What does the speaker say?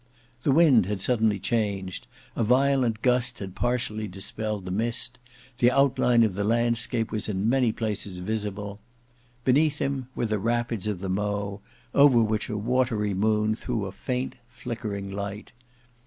The wind had suddenly changed; a violent gust had partially dispelled the mist; the outline of the landscape was in many places visible. Beneath him were the rapids of the Mowe, over which a watery moon threw a faint, flickering light.